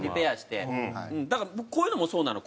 だからこういうのもそうなの。